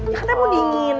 ya katanya mau dingin